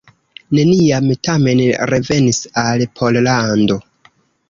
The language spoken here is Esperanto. Neniam tamen revenis al Pollando.